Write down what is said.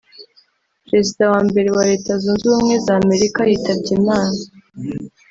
perezida wa mbere wa Leta Zunze Ubumwe za Amerika yitabye Imana